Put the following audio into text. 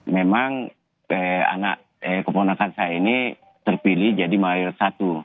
memang anak keponakan saya ini terpilih jadi mayor satu